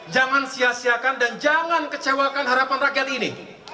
jangan sia siakan dan jangan kecewakan harapan rakyat ini